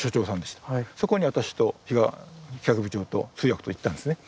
そこに私と比嘉企画部長と通訳と行ったんですね。